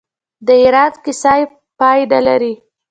د ایران کیسه پای نلري.